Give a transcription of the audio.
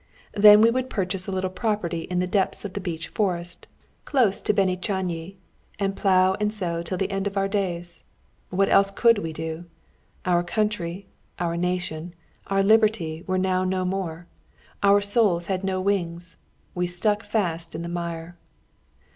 Then we would purchase a little property in the depths of the beech forest, close to Béni Csányi, and plough and sow to the end of our days. What else could we do? Our country, our nation, our liberty were now no more. Our souls had no wings. We stuck fast in the mire.